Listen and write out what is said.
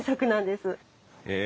へえ。